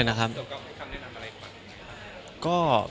ส่วนครับคำแนะนำอะไรกว่า